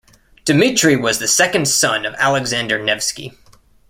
Dmitry was the second son of Alexander Nevsky.